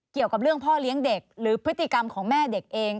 เกี่ยวกับเรื่องพ่อเลี้ยงเด็กหรือพฤติกรรมของแม่เด็กเอง